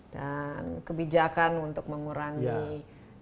dan kebijakan untuk mengurangi